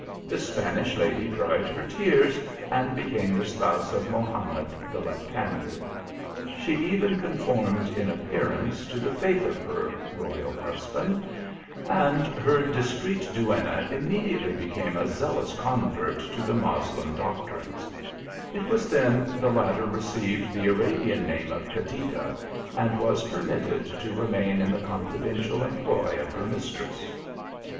The Spanish lady dried her tears and became the spouse of Mohamed the left handed. She even con formed in appearance to the faith of her royal hus band, and her discreet duenna immediately became a zealous convert to the Moslem doctrines ; it was then the latter received the Arabian name of Cadiga, and was permitted to remain in the confidential employ of her mistress.